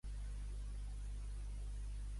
Kimbrough i Howland havien sortit junts a 'Company'.